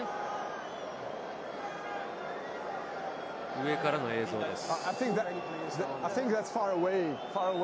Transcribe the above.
上からの映像です。